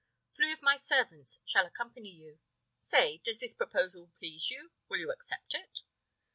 Three of my servants shall accompany you. Say, does this proposal please you? Will you accept it?"